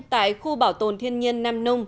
tại khu bảo tồn thiên nhiên nam nông